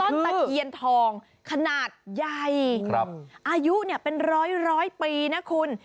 ตะเคียนทองขนาดใหญ่อายุเป็นร้อยปีนะคุณ